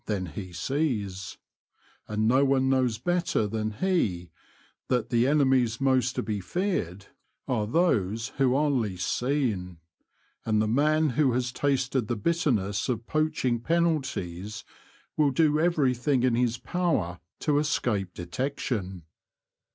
than he sees, and no one knows better than he that the enemies most to be feared are those who are least seen ; and the man who has tasted the bitterness of poaching penalties will do everything in his power to escape detection.